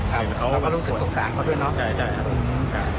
เห็นกันครั้งแรก